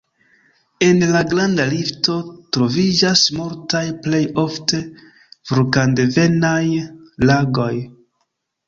En la Granda Rifto troviĝas multaj plej ofte vulkandevenaj lagoj.